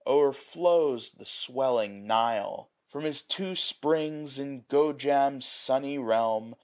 overflows the swelling Nile. 805 From his two springs, in Gojam's sunny re^lm.